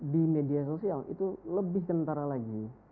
di media sosial itu lebih kentara lagi